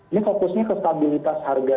ini fokusnya ke stabilitas harga